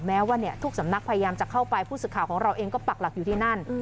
แม้ว่าทุกสำนักพยายามจะเข้าไปผู้สื่อข่าวของเราเองก็ปักหลักอยู่ที่นั่น